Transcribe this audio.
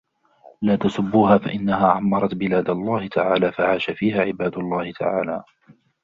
لَا تَسُبُّوهَا فَإِنَّهَا عَمَّرَتْ بِلَادَ اللَّهِ تَعَالَى فَعَاشَ فِيهَا عِبَادُ اللَّهِ تَعَالَى